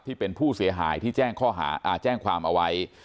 ที่เป็นผู้เสียหายที่แจ้งความเอาไว้